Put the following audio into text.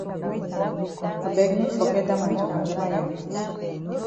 I beg no forget dat ma njamanjama ya.